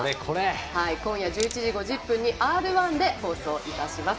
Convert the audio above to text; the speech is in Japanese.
今夜１１時５０分にＲ１で放送いたします。